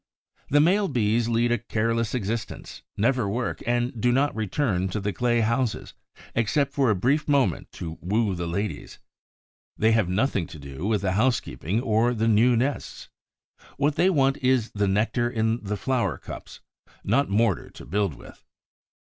The male Bees lead a careless existence, never work, and do not return to the clay houses except for a brief moment to woo the ladies; they have nothing to do with the housekeeping or the new nests. What they want is the nectar in the flower cups, not mortar to build with.